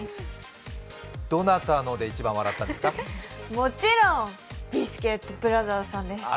どなたので一番笑ったんですか？